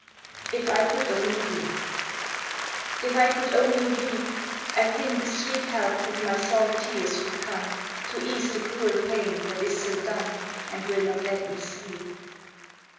IF I COULD ONLY WEEP If I could only weep, I think sweet help with my salt tears would come, To ease the cruel pain that is so dumb, And will not let me sleep.